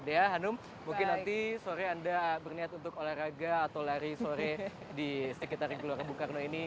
dea hanum mungkin nanti sore anda berniat untuk olahraga atau lari sore di sekitar gelora bung karno ini